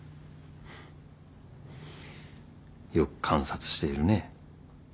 フッよく観察しているね。